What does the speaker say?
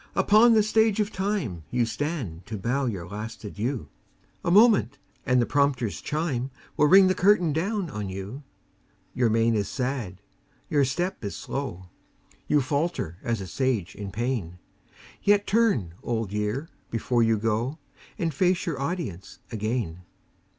upon the Stage of Time You stand to bow your last adieu; A moment, and the prompter's chime Will ring the curtain down on you. Your mien is sad, your step is slow; You falter as a Sage in pain; Yet turn, Old Year, before you go, And face your audience again.